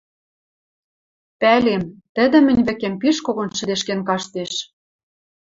Пӓлем: тӹдӹ мӹнь вӹкем пиш когон шӹдешкен каштеш.